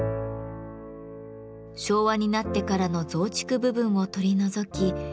昭和になってからの増築部分を取り除き２年がかりで再生。